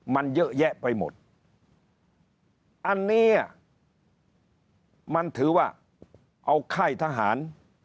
มันเยอะแยะไปหมดอันนี้มันถือว่าเอาค่ายทหาร